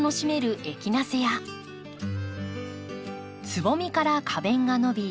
つぼみから花弁が伸び